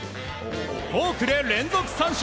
フォークで連続三振！